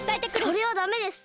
それはダメです！